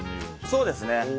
そうですね。